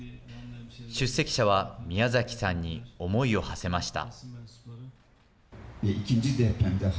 出席者は宮崎さんに思いをはせました。